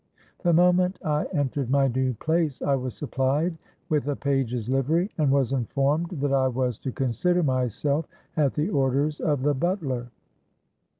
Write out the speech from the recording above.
The moment I entered my new place, I was supplied with a page's livery, and was informed that I was to consider myself at the orders of the butler.